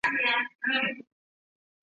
本德然人口变化图示